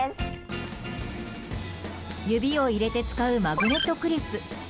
指を入れて使うマグネットクリップ。